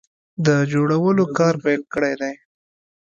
د جوړولو کار پیل کړی دی